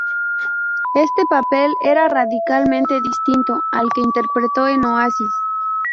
Este papel era radicalmente distinto al que interpretó en Oasis.